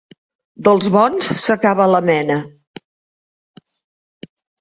Dels bons s'acaba la mena.